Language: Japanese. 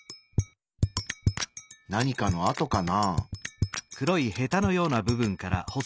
何かのあとかな？